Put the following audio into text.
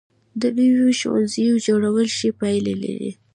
د نویو ښوونځیو جوړول ښې پایلې لري.